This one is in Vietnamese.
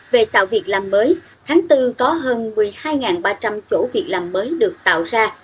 về tạo việc làm mới tháng bốn có hơn một mươi hai ba trăm linh chỗ việc làm mới được tạo ra